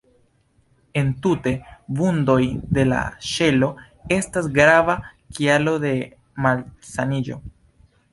Entute, vundoj de la ŝelo estas grava kialo de malsaniĝo.